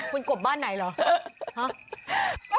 คุณกบบ้านไหนเหรอ